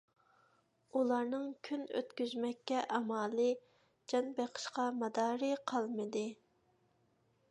ئۇلارنىڭ كۈن ئۆتكۈزمەككە ئامالى، جان بېقىشقا مادارى قالمىدى.